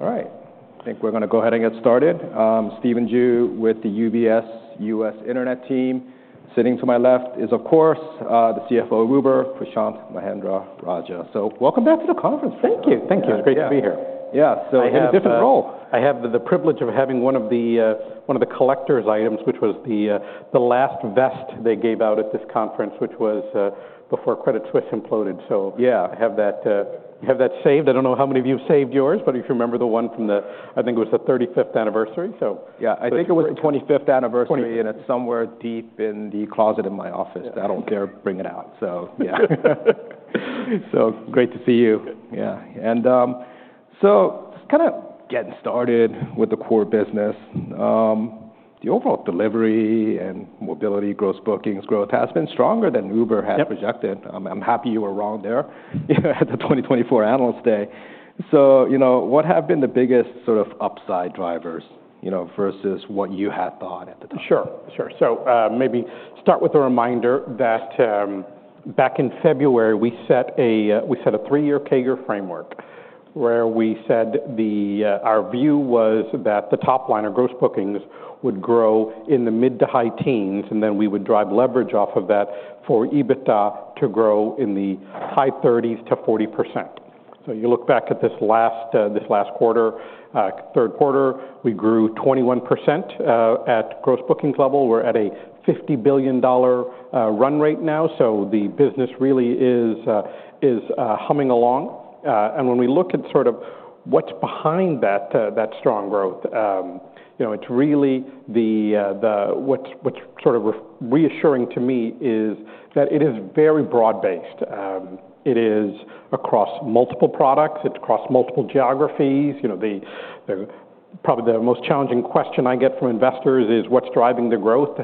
All right. I think we're going to go ahead and get started. Stephen Ju with the UBS U.S. Internet team. Sitting to my left is, of course, the CFO of Uber, Prashanth Mahendra-Rajah, so welcome back to the conference. Thank you. Thank you. It's great to be here. Yeah. Yeah, so in a different role. I have the privilege of having one of the collector's items, which was the last vest they gave out at this conference, which was before Credit Suisse imploded. So yeah, I have that saved. I don't know how many of you have saved yours, but if you remember the one from the, I think it was, the 35th anniversary. Yeah. I think it was the 25th anniversary, and it's somewhere deep in the closet in my office. I don't dare bring it out. So yeah. So great to see you. Yeah. And so just kind of getting started with the core business, the overall delivery and mobility gross bookings growth has been stronger than Uber had projected. I'm happy you were wrong there at the 2024 Analyst Day. So what have been the biggest sort of upside drivers versus what you had thought at the time? Sure. Sure. So maybe start with a reminder that back in February, we set a three-year CAGR framework where we said our view was that the top line, or gross bookings, would grow in the mid to high teens, and then we would drive leverage off of that for EBITDA to grow in the high 30s to 40%. So you look back at this last quarter, third quarter, we grew 21% at gross bookings level. We're at a $50 billion run rate now. So the business really is humming along. And when we look at sort of what's behind that strong growth, it's really what's sort of reassuring to me is that it is very broad-based. It is across multiple products. It's across multiple geographies. Probably the most challenging question I get from investors is, "What's driving the growth?"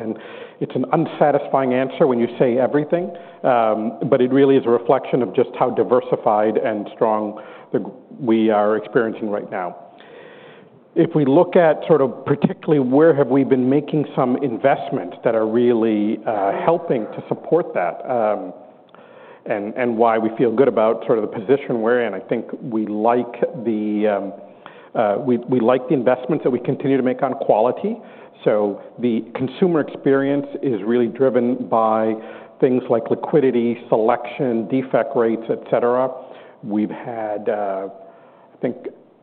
It's an unsatisfying answer when you say everything, but it really is a reflection of just how diversified and strong we are experiencing right now. If we look at sort of particularly where have we been making some investments that are really helping to support that and why we feel good about sort of the position we're in, I think we like the investments that we continue to make on quality. So the consumer experience is really driven by things like liquidity, selection, defect rates, et cetera. We've had, I think,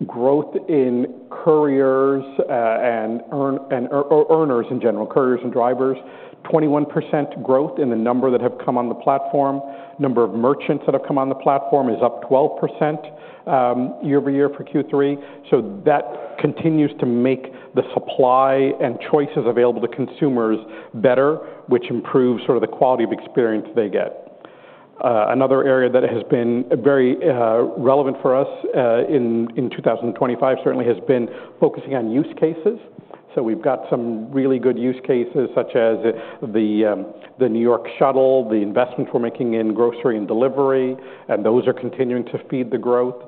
growth in couriers and earners in general, couriers and drivers, 21% growth in the number that have come on the platform. Number of merchants that have come on the platform is up 12% year over year for Q3. So that continues to make the supply and choices available to consumers better, which improves sort of the quality of experience they get. Another area that has been very relevant for us in 2025 certainly has been focusing on use cases. So we've got some really good use cases, such as the New York shuttle, the investments we're making in grocery and delivery, and those are continuing to feed the growth.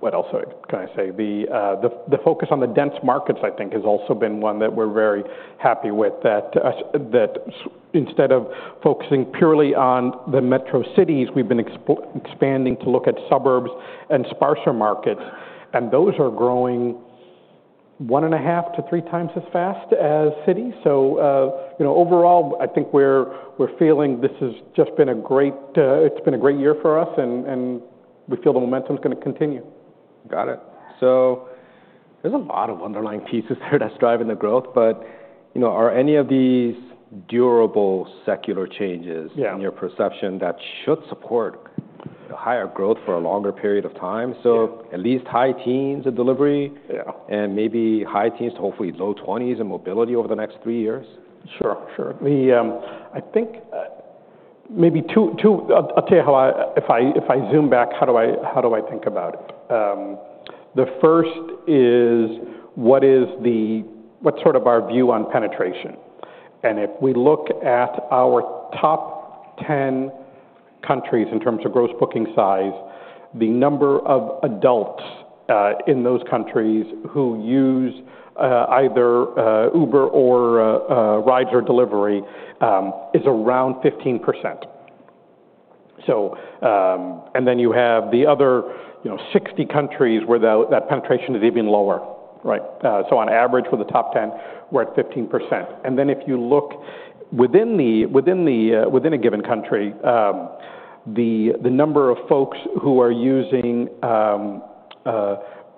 What else can I say? The focus on the dense markets, I think, has also been one that we're very happy with, that instead of focusing purely on the metro cities, we've been expanding to look at suburbs and sparser markets, and those are growing one and a half to three times as fast as cities. So overall, I think we're feeling this has just been a great year for us, and we feel the momentum is going to continue. Got it. So there's a lot of underlying pieces there that's driving the growth, but are any of these durable secular changes in your perception that should support higher growth for a longer period of time? So at least high teens and delivery and maybe high teens to hopefully low 20s and mobility over the next three years? Sure. Sure. I think maybe two, I'll tell you how, if I zoom back, how do I think about it. The first is what sort of our view on penetration. And if we look at our top 10 countries in terms of gross booking size, the number of adults in those countries who use either Uber or rides or delivery is around 15%. And then you have the other 60 countries where that penetration is even lower. So on average for the top 10, we're at 15%. And then if you look within a given country, the number of folks who are using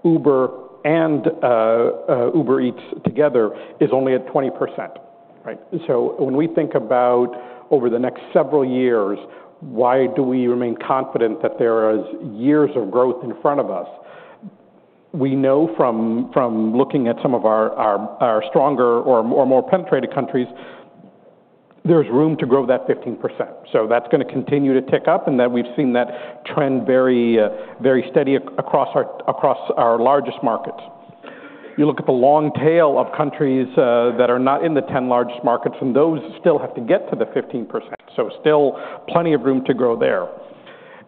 Uber and Uber Eats together is only at 20%. So when we think about over the next several years, why do we remain confident that there are years of growth in front of us? We know from looking at some of our stronger or more penetrated countries, there's room to grow that 15%. So that's going to continue to tick up, and then we've seen that trend very steady across our largest markets. You look at the long tail of countries that are not in the 10 largest markets, and those still have to get to the 15%. So still plenty of room to grow there.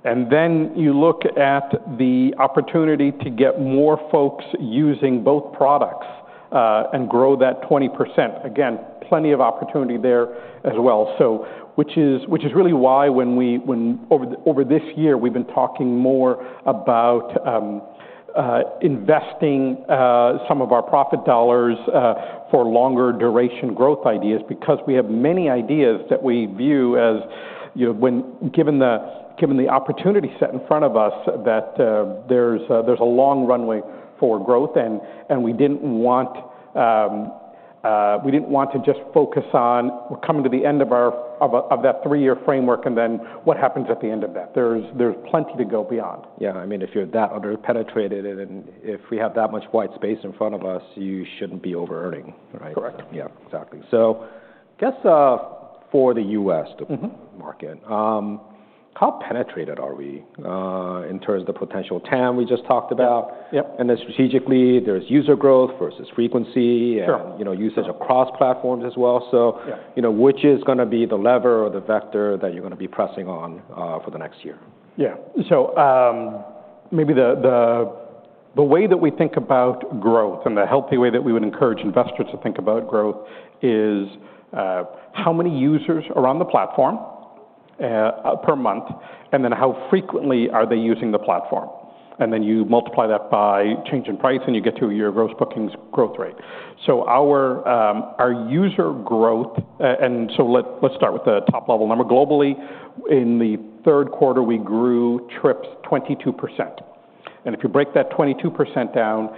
And then you look at the opportunity to get more folks using both products and grow that 20%. Again, plenty of opportunity there as well. So, which is really why, when over this year, we've been talking more about investing some of our profit dollars for longer-duration growth ideas, because we have many ideas that we view as, given the opportunity set in front of us, that there's a long runway for growth, and we didn't want to just focus on we're coming to the end of that three-year framework, and then what happens at the end of that? There's plenty to go beyond. Yeah. I mean, if you're that under-penetrated, and if we have that much white space in front of us, you shouldn't be over-earning. Correct. Yeah. Exactly. So I guess for the U.S. market, how penetrated are we in terms of the potential TAM we just talked about? And then strategically, there's user growth versus frequency and usage across platforms as well. So which is going to be the lever or the vector that you're going to be pressing on for the next year? Yeah. So maybe the way that we think about growth and the healthy way that we would encourage investors to think about growth is how many users are on the platform per month, and then how frequently are they using the platform? And then you multiply that by change in price, and you get to your gross bookings growth rate. So our user growth, and so let's start with the top-level number. Globally, in the third quarter, we grew trips 22%. And if you break that 22% down,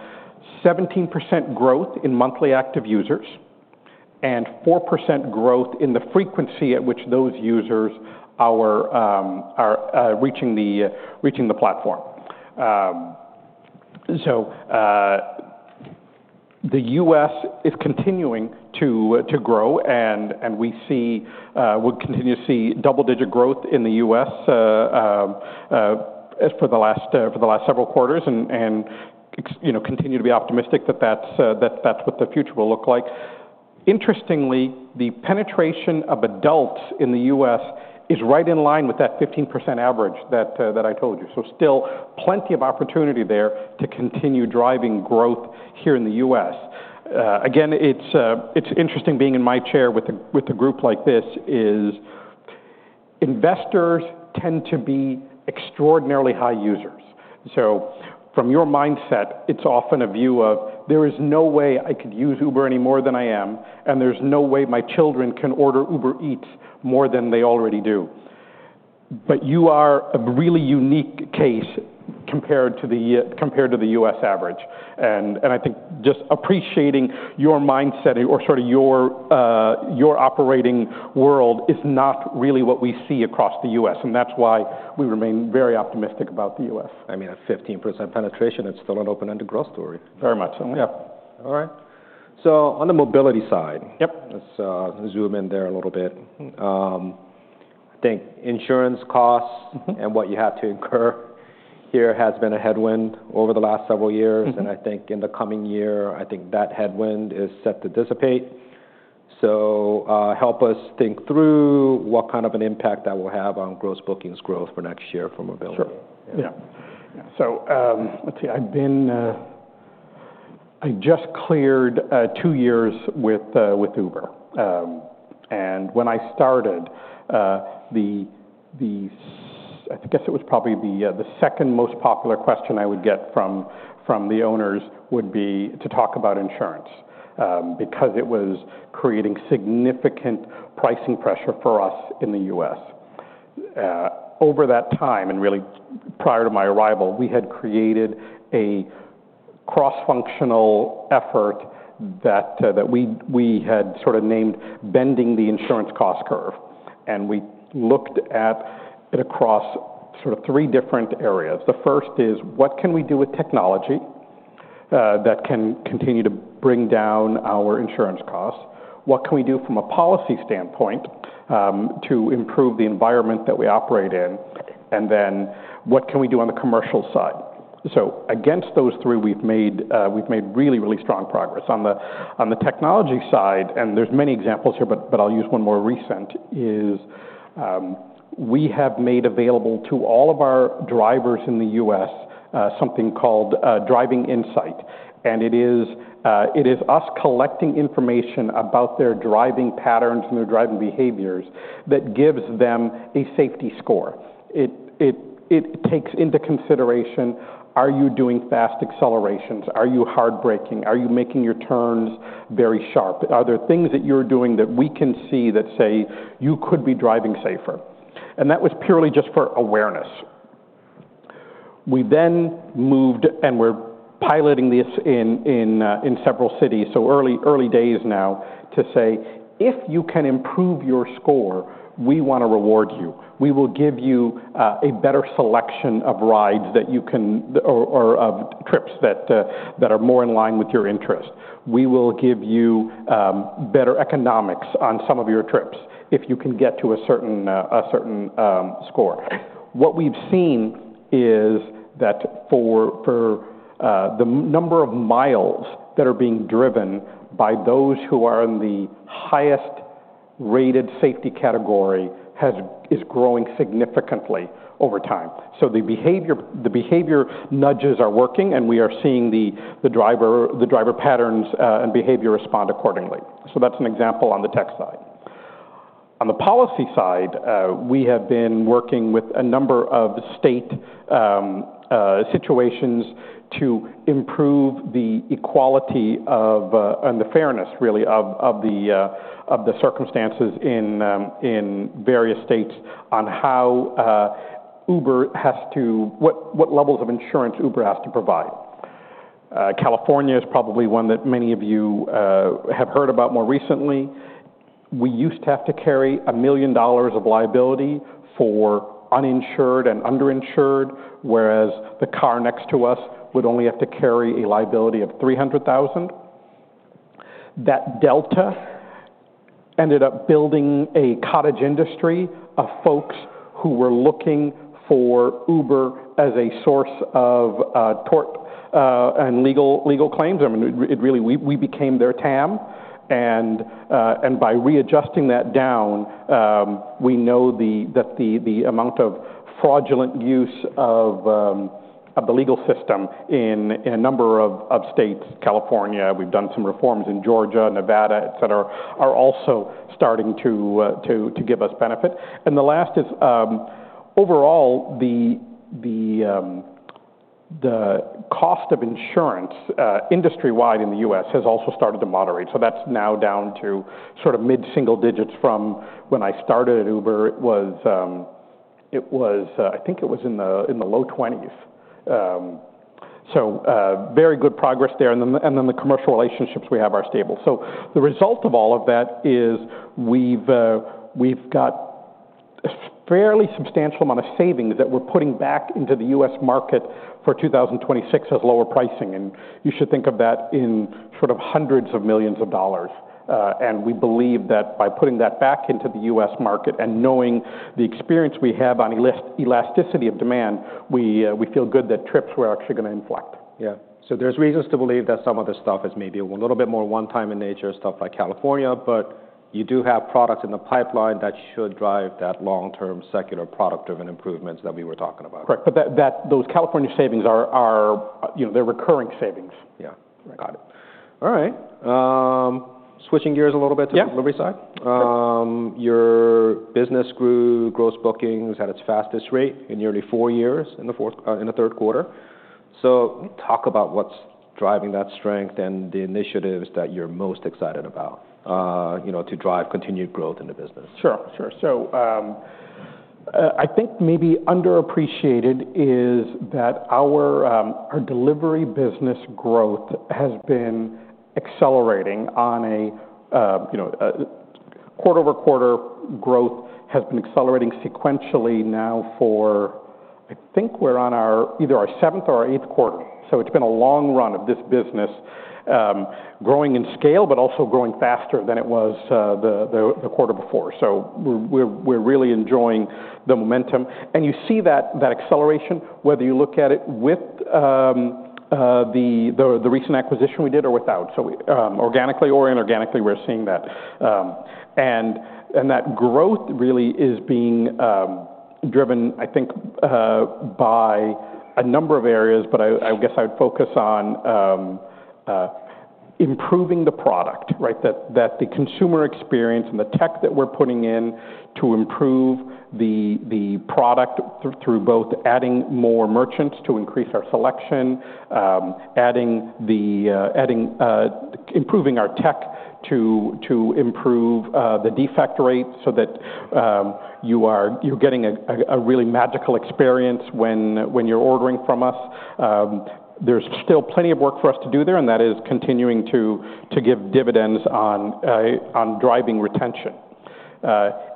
17% growth in monthly active users and 4% growth in the frequency at which those users are reaching the platform. So the U.S. is continuing to grow, and we continue to see double-digit growth in the U.S. for the last several quarters and continue to be optimistic that that's what the future will look like. Interestingly, the penetration of adults in the U.S. is right in line with that 15% average that I told you. So still plenty of opportunity there to continue driving growth here in the U.S. Again, it's interesting being in my chair with a group like this. Investors tend to be extraordinarily high users. So from your mindset, it's often a view of there is no way I could use Uber any more than I am, and there's no way my children can order Uber Eats more than they already do. But you are a really unique case compared to the U.S. average. And I think just appreciating your mindset or sort of your operating world is not really what we see across the U.S. And that's why we remain very optimistic about the U.S. I mean, a 15% penetration—it's still an open-ended growth story. Very much. Yeah. All right, so on the mobility side, let's zoom in there a little bit. I think insurance costs and what you have to incur here has been a headwind over the last several years, and I think in the coming year, I think that headwind is set to dissipate, so help us think through what kind of an impact that will have on gross bookings growth for next year for mobility. Sure. Yeah. So let's see. I just cleared two years with Uber. And when I started, I guess it was probably the second most popular question I would get from the owners would be to talk about insurance because it was creating significant pricing pressure for us in the U.S. Over that time, and really prior to my arrival, we had created a cross-functional effort that we had sort of named Bending the Insurance Cost Curve. And we looked at it across sort of three different areas. The first is, what can we do with technology that can continue to bring down our insurance costs? What can we do from a policy standpoint to improve the environment that we operate in? And then what can we do on the commercial side? So against those three, we've made really, really strong progress. On the technology side, and there's many examples here, but I'll use one more recent, is we have made available to all of our drivers in the U.S. something called Driving Insight. And it is us collecting information about their driving patterns and their driving behaviors that gives them a safety score. It takes into consideration, are you doing fast accelerations? Are you hard braking? Are you making your turns very sharp? Are there things that you're doing that we can see that say you could be driving safer? And that was purely just for awareness. We then moved, and we're piloting this in several cities, so early days now, to say if you can improve your score, we want to reward you. We will give you a better selection of rides that you can or of trips that are more in line with your interest. We will give you better economics on some of your trips if you can get to a certain score. What we've seen is that for the number of miles that are being driven by those who are in the highest-rated safety category is growing significantly over time. So the behavior nudges are working, and we are seeing the driver patterns and behavior respond accordingly. So that's an example on the tech side. On the policy side, we have been working with a number of state situations to improve the equality and the fairness, really, of the circumstances in various states on how Uber has to—what levels of insurance Uber has to provide. California is probably one that many of you have heard about more recently. We used to have to carry $1 million of liability for uninsured and underinsured, whereas the car next to us would only have to carry a liability of $300,000. That delta ended up building a cottage industry of folks who were looking for Uber as a source of tort and legal claims. I mean, it really we became their TAM. And by readjusting that down, we know that the amount of fraudulent use of the legal system in a number of states, California, we've done some reforms in Georgia, Nevada, et cetera, are also starting to give us benefit. And the last is overall, the cost of insurance industry-wide in the U.S. has also started to moderate. So that's now down to sort of mid-single digits from when I started at Uber. It was, I think it was in the low 20s. So very good progress there. And then the commercial relationships we have are stable. So the result of all of that is we've got a fairly substantial amount of savings that we're putting back into the U.S. market for 2026 as lower pricing. And you should think of that in sort of hundreds of millions of dollars. And we believe that by putting that back into the U.S. market and knowing the experience we have on elasticity of demand, we feel good that trips were actually going to inflect. Yeah. So there's reasons to believe that some of the stuff is maybe a little bit more one-time in nature, stuff like California, but you do have products in the pipeline that should drive that long-term secular product-driven improvements that we were talking about. Correct. But those California savings, they're recurring savings. Yeah. Got it. All right. Switching gears a little bit to the delivery side. Your business grew gross bookings at its fastest rate in nearly four years in the third quarter. So talk about what's driving that strength and the initiatives that you're most excited about to drive continued growth in the business. Sure. Sure. So I think maybe underappreciated is that our delivery business growth has been accelerating on a quarter-over-quarter growth has been accelerating sequentially now for, I think, we're on either our seventh or our eighth quarter. So it's been a long run of this business growing in scale, but also growing faster than it was the quarter before. So we're really enjoying the momentum. And you see that acceleration whether you look at it with the recent acquisition we did or without. So organically or inorganically, we're seeing that. That growth really is being driven, I think, by a number of areas, but I guess I would focus on improving the product, the consumer experience, and the tech that we're putting in to improve the product through both adding more merchants to increase our selection, improving our tech to improve the defect rate so that you're getting a really magical experience when you're ordering from us. There's still plenty of work for us to do there, and that is continuing to give dividends on driving retention.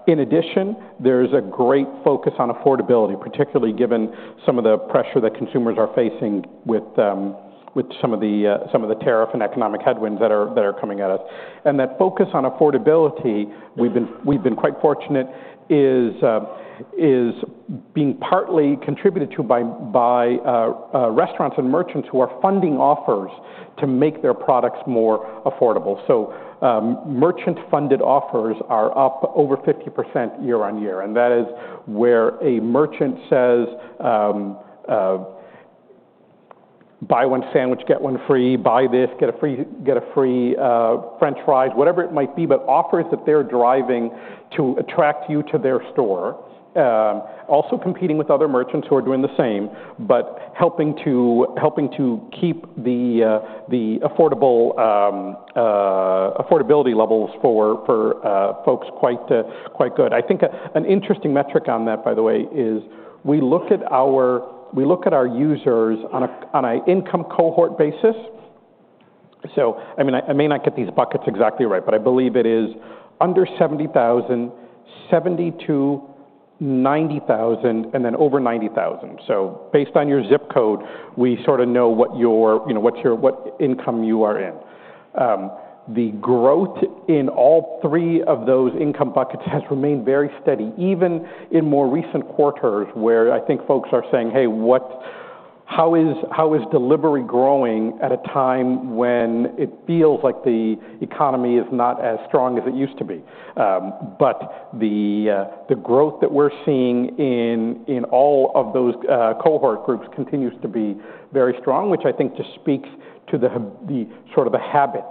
In addition, there's a great focus on affordability, particularly given some of the pressure that consumers are facing with some of the tariff and economic headwinds that are coming at us. That focus on affordability, we've been quite fortunate, is being partly contributed to by restaurants and merchants who are funding offers to make their products more affordable. So merchant-funded offers are up over 50% year on year. And that is where a merchant says, "Buy one sandwich, get one free; buy this, get a free French fries," whatever it might be, but offers that they're driving to attract you to their store. Also competing with other merchants who are doing the same, but helping to keep the affordability levels for folks quite good. I think an interesting metric on that, by the way, is we look at our users on an income cohort basis. So I mean, I may not get these buckets exactly right, but I believe it is under 70,000, 72,000, 90,000, and then over 90,000. So based on your zip code, we sort of know what income you are in. The growth in all three of those income buckets has remained very steady, even in more recent quarters where I think folks are saying, "Hey, how is delivery growing at a time when it feels like the economy is not as strong as it used to be?" But the growth that we're seeing in all of those cohort groups continues to be very strong, which I think just speaks to the sort of the habit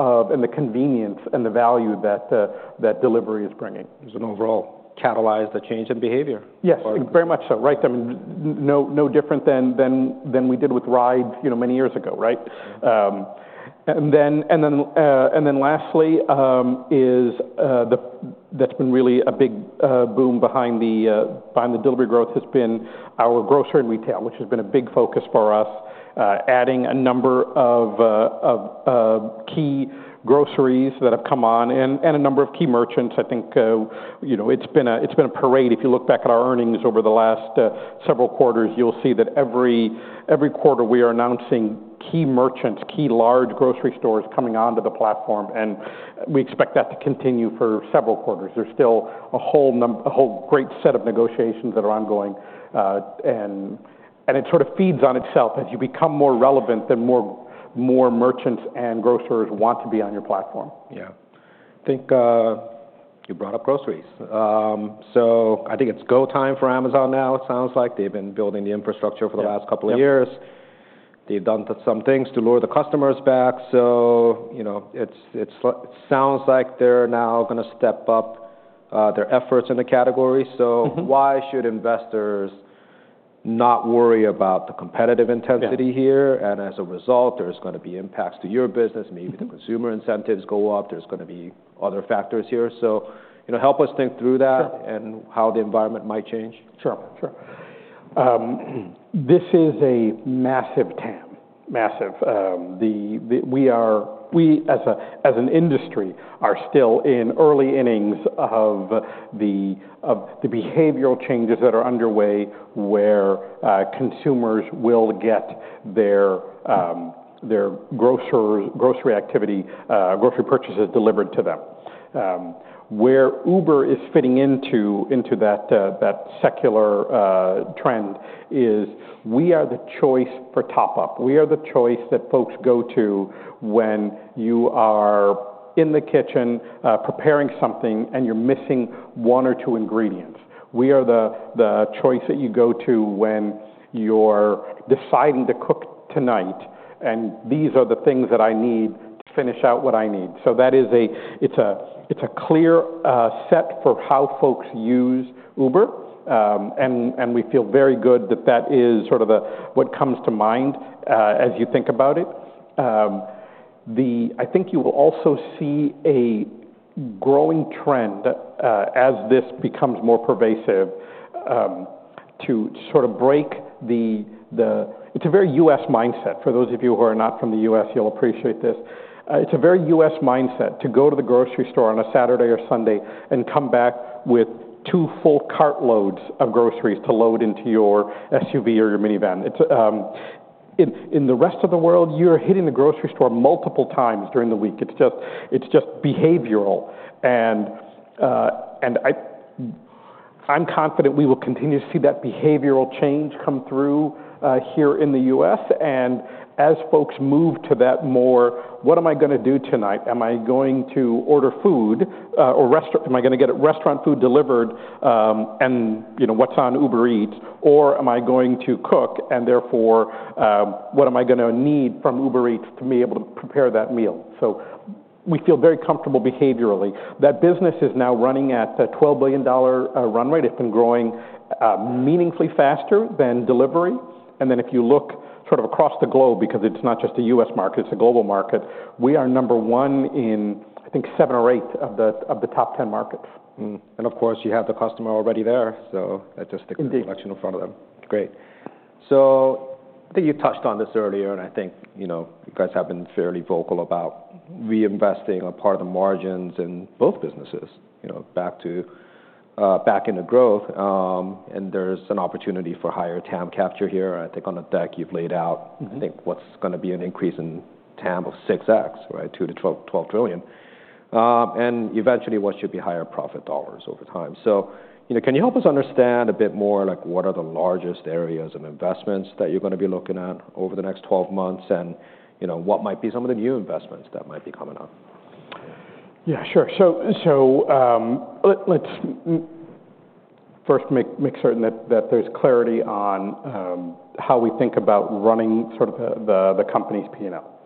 and the convenience and the value that delivery is bringing. There's an overall catalyzed a change in behavior. Yes, very much so. Right. I mean, no different than we did with rides many years ago. Right. And then lastly, that's been really a big boom behind the delivery growth has been our grocery and retail, which has been a big focus for us, adding a number of key groceries that have come on and a number of key merchants. I think it's been a parade. If you look back at our earnings over the last several quarters, you'll see that every quarter we are announcing key merchants, key large grocery stores coming onto the platform. And we expect that to continue for several quarters. There's still a whole great set of negotiations that are ongoing. And it sort of feeds on itself as you become more relevant then more merchants and grocers want to be on your platform. Yeah. I think you brought up groceries. So I think it's go time for Amazon now, it sounds like. They've been building the infrastructure for the last couple of years. They've done some things to lure the customers back. So it sounds like they're now going to step up their efforts in the category. So why should investors not worry about the competitive intensity here? And as a result, there's going to be impacts to your business. Maybe the consumer incentives go up. There's going to be other factors here. So help us think through that and how the environment might change. Sure. Sure. This is a massive TAM. Massive. We as an industry are still in early innings of the behavioral changes that are underway where consumers will get their grocery activity, grocery purchases delivered to them. Where Uber is fitting into that secular trend is we are the choice for top-up. We are the choice that folks go to when you are in the kitchen preparing something and you're missing one or two ingredients. We are the choice that you go to when you're deciding to cook tonight, and these are the things that I need to finish out what I need, so it's a clear set for how folks use Uber, and we feel very good that that is sort of what comes to mind as you think about it. I think you will also see a growing trend as this becomes more pervasive to sort of break the. It's a very U.S. mindset. For those of you who are not from the U.S., you'll appreciate this. It's a very U.S. mindset to go to the grocery store on a Saturday or Sunday and come back with two full cartloads of groceries to load into your SUV or your minivan. In the rest of the world, you're hitting the grocery store multiple times during the week. It's just behavioral, and I'm confident we will continue to see that behavioral change come through here in the U.S., and as folks move to that more, what am I going to do tonight? Am I going to order food, or am I going to get restaurant food delivered, and what's on Uber Eats? Or am I going to cook? And therefore, what am I going to need from Uber Eats to be able to prepare that meal? So we feel very comfortable behaviorally. That business is now running at a $12 billion run rate. It's been growing meaningfully faster than delivery. And then if you look sort of across the globe, because it's not just a U.S. market, it's a global market, we are number one in, I think, seven or eight of the top 10 markets. And of course, you have the customer already there. So that just takes the selection in front of them. Great. So I think you touched on this earlier, and I think you guys have been fairly vocal about reinvesting a part of the margins in both businesses back in the growth. And there's an opportunity for higher TAM capture here. I think on the deck you've laid out, I think what's going to be an increase in TAM of 6X, right, $2 trillion-$12 trillion. And eventually, what should be higher profit dollars over time. So can you help us understand a bit more what are the largest areas of investments that you're going to be looking at over the next 12 months and what might be some of the new investments that might be coming up? Yeah, sure. So let's first make certain that there's clarity on how we think about running sort of the company's P&L.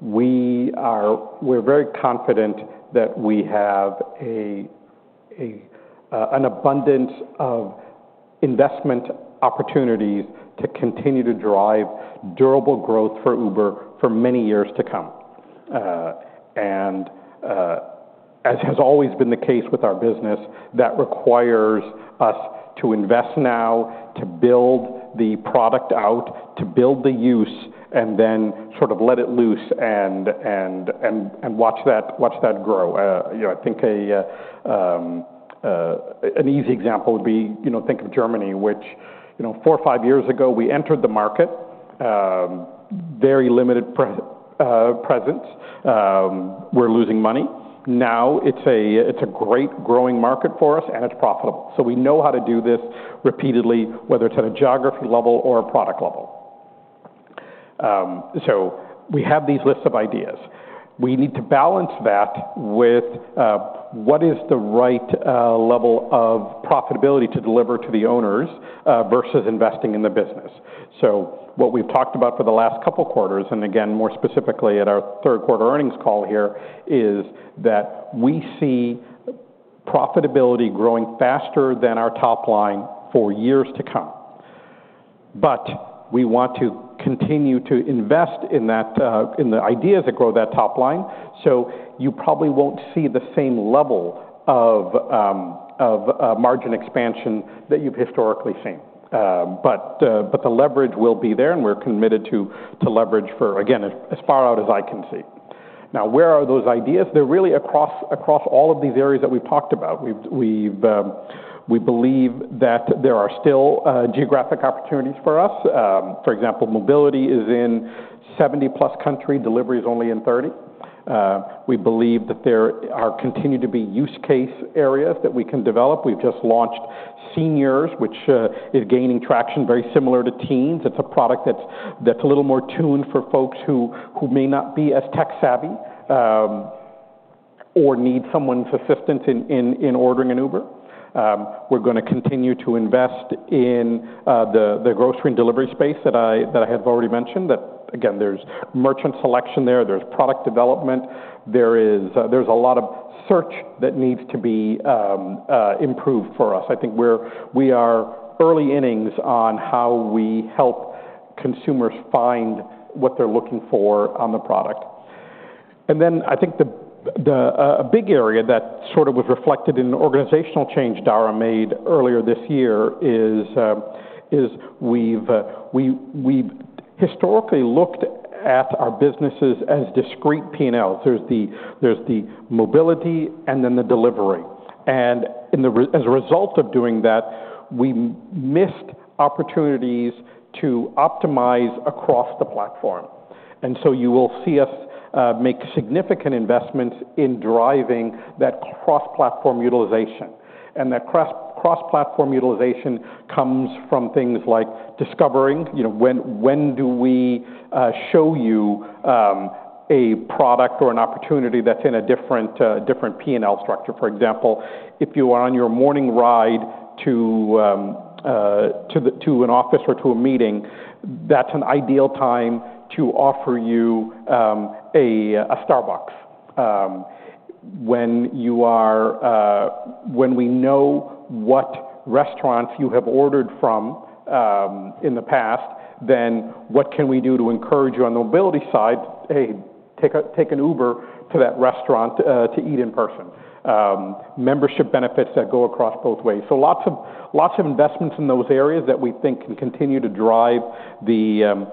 We're very confident that we have an abundance of investment opportunities to continue to drive durable growth for Uber for many years to come. And as has always been the case with our business, that requires us to invest now, to build the product out, to build the use, and then sort of let it loose and watch that grow. I think an easy example would be think of Germany, which four or five years ago we entered the market, very limited presence. We're losing money. Now it's a great growing market for us, and it's profitable. So we know how to do this repeatedly, whether it's at a geography level or a product level. So we have these lists of ideas. We need to balance that with what is the right level of profitability to deliver to the owners versus investing in the business. So what we've talked about for the last couple of quarters, and again, more specifically at our third-quarter earnings call here, is that we see profitability growing faster than our top line for years to come. But we want to continue to invest in the ideas that grow that top line. So you probably won't see the same level of margin expansion that you've historically seen. But the leverage will be there, and we're committed to leverage for, again, as far out as I can see. Now, where are those ideas? They're really across all of these areas that we've talked about. We believe that there are still geographic opportunities for us. For example, mobility is in 70-plus countries. Delivery is only in 30. We believe that there are continued to be use case areas that we can develop. We've just launched Seniors, which is gaining traction, very similar to Teens. It's a product that's a little more tuned for folks who may not be as tech-savvy or need someone's assistance in ordering an Uber. We're going to continue to invest in the grocery and delivery space that I have already mentioned. Again, there's merchant selection there. There's product development. There's a lot of search that needs to be improved for us. I think we are early innings on how we help consumers find what they're looking for on the product, and then I think a big area that sort of was reflected in organizational change Dara made earlier this year is we've historically looked at our businesses as discrete P&Ls. There's the mobility and then the delivery. And as a result of doing that, we missed opportunities to optimize across the platform. And so you will see us make significant investments in driving that cross-platform utilization. And that cross-platform utilization comes from things like discovering when do we show you a product or an opportunity that's in a different P&L structure. For example, if you are on your morning ride to an office or to a meeting, that's an ideal time to offer you a Starbucks. When we know what restaurants you have ordered from in the past, then what can we do to encourage you on the mobility side, "Hey, take an Uber to that restaurant to eat in person?" Membership benefits that go across both ways. So lots of investments in those areas that we think can continue to drive the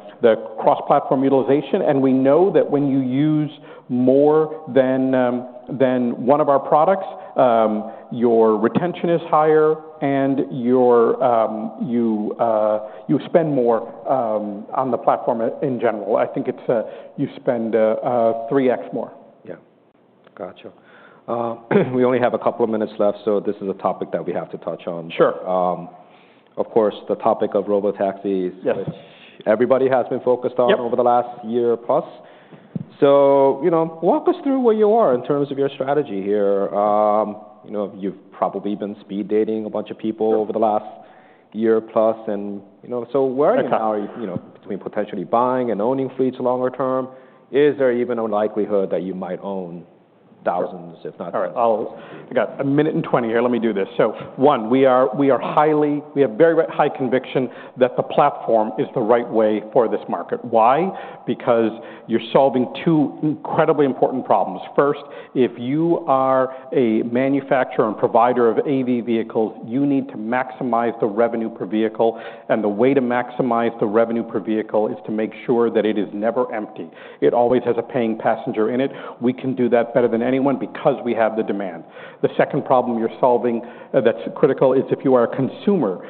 cross-platform utilization. We know that when you use more than one of our products, your retention is higher and you spend more on the platform in general. I think you spend 3X more. Yeah. Gotcha. We only have a couple of minutes left, so this is a topic that we have to touch on. Sure. Of course, the topic of robotaxis, which everybody has been focused on over the last year plus, so walk us through where you are in terms of your strategy here. You've probably been speed dating a bunch of people over the last year plus, and so where are you now between potentially buying and owning fleets longer term? Is there even a likelihood that you might own thousands, if not thousands? All right. I've got a minute and 20 here. Let me do this. So one, we have very high conviction that the platform is the right way for this market. Why? Because you're solving two incredibly important problems. First, if you are a manufacturer and provider of AV vehicles, you need to maximize the revenue per vehicle. And the way to maximize the revenue per vehicle is to make sure that it is never empty. It always has a paying passenger in it. We can do that better than anyone because we have the demand. The second problem you're solving that's critical is if you are a consumer,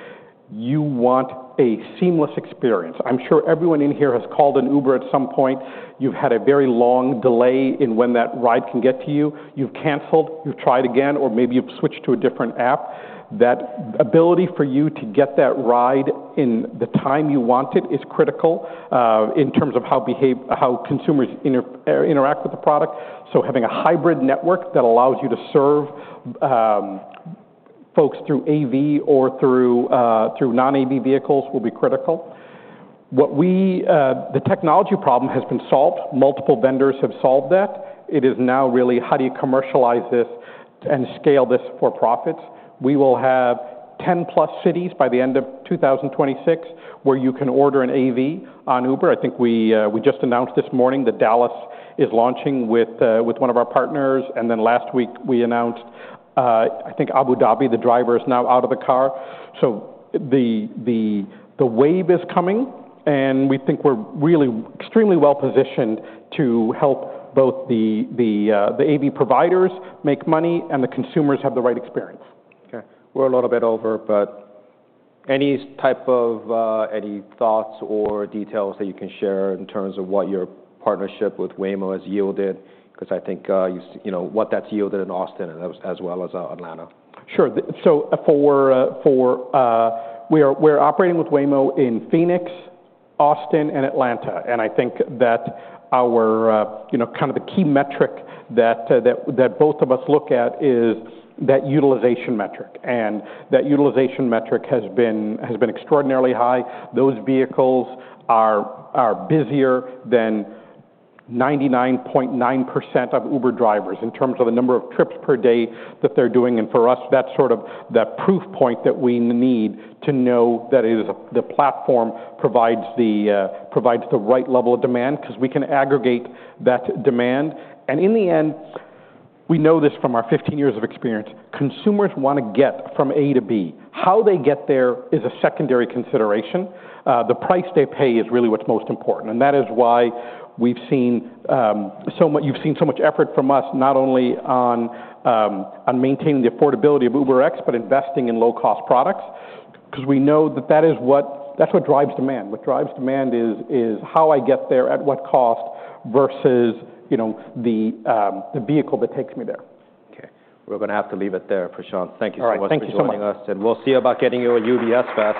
you want a seamless experience. I'm sure everyone in here has called an Uber at some point. You've had a very long delay in when that ride can get to you. You've canceled. You've tried again, or maybe you've switched to a different app. That ability for you to get that ride in the time you want it is critical in terms of how consumers interact with the product, so having a hybrid network that allows you to serve folks through AV or through non-AV vehicles will be critical. The technology problem has been solved. Multiple vendors have solved that. It is now really, how do you commercialize this and scale this for profits? We will have 10-plus cities by the end of 2026 where you can order an AV on Uber. I think we just announced this morning that Dallas is launching with one of our partners, and then last week, we announced, I think, Abu Dhabi. The driver is now out of the car. So the wave is coming, and we think we're really extremely well positioned to help both the AV providers make money and the consumers have the right experience. Okay. We're a little bit over, but any type of thoughts or details that you can share in terms of what your partnership with Waymo has yielded? Because I think what that's yielded in Austin as well as Atlanta. Sure. So we're operating with Waymo in Phoenix, Austin, and Atlanta. And I think that our kind of the key metric that both of us look at is that utilization metric. And that utilization metric has been extraordinarily high. Those vehicles are busier than 99.9% of Uber drivers in terms of the number of trips per day that they're doing. And for us, that's sort of the proof point that we need to know that the platform provides the right level of demand because we can aggregate that demand. And in the end, we know this from our 15 years of experience. Consumers want to get from A to B. How they get there is a secondary consideration. The price they pay is really what's most important. That is why we've seen so much effort from us, not only on maintaining the affordability of UberX, but investing in low-cost products because we know that that's what drives demand. What drives demand is how I get there at what cost versus the vehicle that takes me there. Okay. We're going to have to leave it there for Sean. Thank you so much for joining us. All right. Thank you so much. We'll see about getting you a UBS vest.